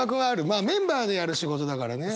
まあメンバーでやる仕事だからね。